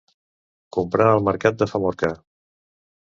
Comprar al mercat de Famorca.